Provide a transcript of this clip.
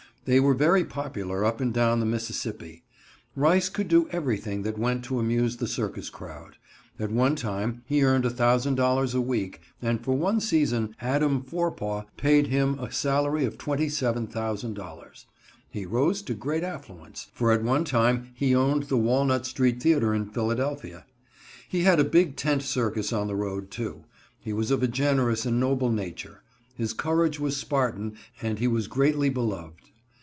They were very popular up and down the Mississippi. Rice could do everything that went to amuse the circus crowd. At one time he earned $1,000 a week, and for one season Adam Forepaugh paid him a salary of $27,000. He rose to great affluence, for at one time he owned the Walnut Street Theater in Philadelphia. He had a big tent circus on the road, too. He was of a generous and noble nature; his courage was Spartan, and he was greatly beloved.